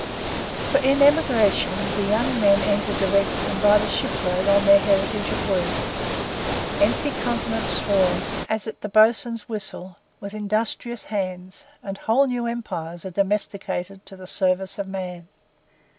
For in emigration the young men enter direct and by the shipload on their heritage of work; empty continents swarm, as at the bo's'un's whistle, with industrious hands, and whole new empires are domesticated to the service of man.